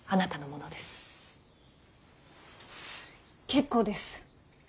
結構です。